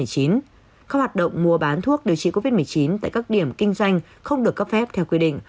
các hoạt động mua bán thuốc điều trị covid một mươi chín tại các điểm kinh doanh không được cấp phép theo quy định